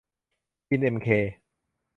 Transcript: กินเอ็มเค